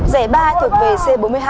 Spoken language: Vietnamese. giải ba thuộc về c bốn mươi hai